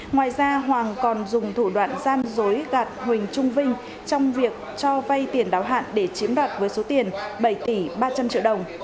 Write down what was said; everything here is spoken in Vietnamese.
ngoài ra hoàng còn dùng thủ đoạn gian dối gạt huỳnh trung vinh trong việc cho vay tiền đáo hạn để chiếm đoạt với số tiền bảy tỷ ba trăm linh triệu đồng